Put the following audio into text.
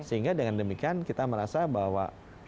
sehingga dengan demikian kita merasa bahwa